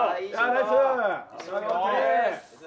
ナイス。